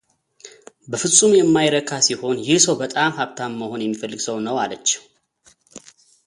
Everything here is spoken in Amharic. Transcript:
በፍፁም የማይረካ ሲሆን ይህ ሰው በጣም ሃብታም መሆን የሚፈልግ ሰው ነው አለችው፡፡